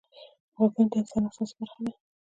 غوږونه د انسان حساسه برخه ده